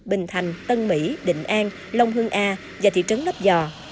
bình thành tân mỹ định an long hương a và thị trấn lấp giò